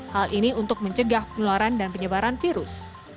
hal ini untuk mencegah penularan dan penyebaran virus